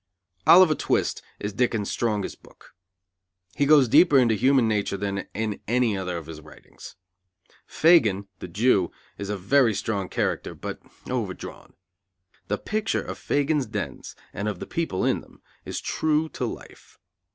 Oliver Twist is Dickens's strongest book. He goes deeper into human nature there than in any other of his writings. Fagin, the Jew, is a very strong character, but overdrawn. The picture of Fagin's dens and of the people in them, is true to life.